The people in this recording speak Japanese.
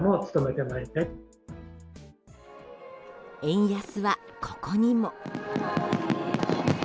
円安は、ここにも。